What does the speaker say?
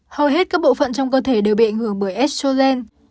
hầu hết các bộ phận trong cơ thể đều bị ảnh hưởng bởi estrogen